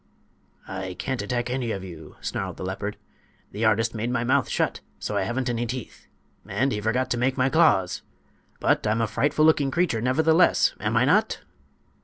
"I can't attack any of you," snarled the leopard. "The artist made my mouth shut, so I haven't any teeth; and he forgot to make my claws. But I'm a frightful looking creature, nevertheless; am I not?"